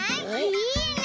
いいね！